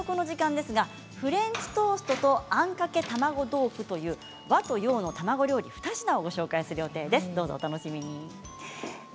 あすはフレンチトーストとあんかけ卵豆腐と和と洋の卵料理２品をご紹介します。